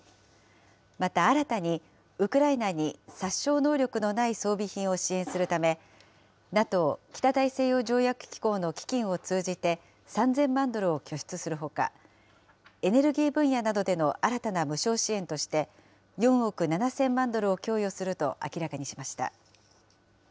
また、新たにウクライナに殺傷能力のない装備品を支援するため、ＮＡＴＯ・北大西洋条約機構の基金を通じて、３０００万ドルを拠出するほか、エネルギー分野などでの新たな無償支援として、４億７０００万ドルを供与すると明らかにしました。